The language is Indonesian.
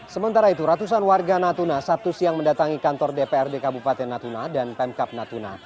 sementara itu ratusan warga natuna sabtu siang mendatangi kantor dprd kabupaten natuna dan pemkap natuna